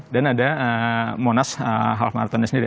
dan ada monas half marathonnya sendiri